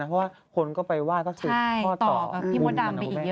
เพราะว่าคนก็ไปว่าได้สิทธิพ่อตอพี่โมดามอีกเยอะเลย